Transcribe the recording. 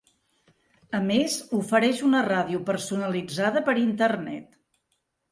A més ofereix una ràdio personalitzada per Internet.